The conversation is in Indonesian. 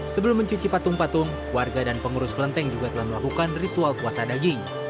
sebelum mencuci patung patung warga dan pengurus kelenteng juga telah melakukan ritual puasa daging